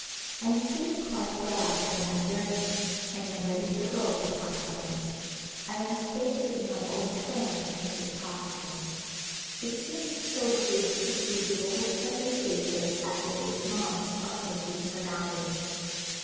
I am feeling quite well after my journey, and am ready to go to Conference. I am staying with my old friend Mrs. Hoskins. It seems so good to see the old friendly faces after eight months of native surroundings.